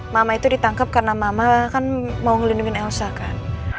mama itu ditangkap karena mama kan mau ngelindungin elsa kan